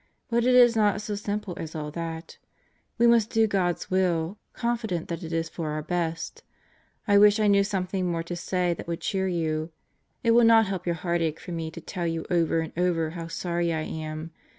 But it is not so simple as all that. We must do God's will, confident that it is for our best. I wish I knew something more to say that would cheer you. It will not help your heartache for me to tell you over and over how sorry I am.